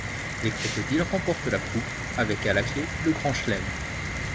Les crocodiles remportent la Coupe avec à la clé le Grand Chelem.